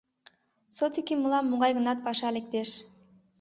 Содыки мылам могай-гынат паша лектеш.